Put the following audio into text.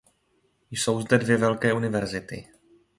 Jsou zde dvě velké univerzity.